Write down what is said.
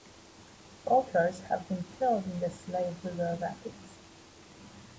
Boaters have been killed in the Slave River rapids.